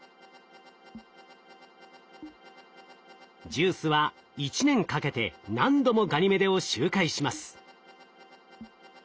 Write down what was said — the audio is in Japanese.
ＪＵＩＣＥは１年かけて何度もガニメデを周回します。